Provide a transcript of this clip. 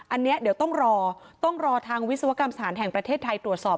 อันนี้เดี๋ยวต้องรอต้องรอทางวิศวกรรมสถานแห่งประเทศไทยตรวจสอบ